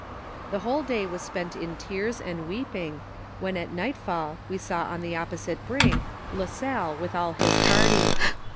The whole day was spent in tearo and weeping, when at nightfall we saw on the oppo site brink La Salle with all his party.